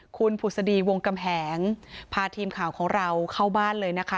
คุณผุศดีวงกำแหงพาทีมข่าวของเราเข้าบ้านเลยนะคะ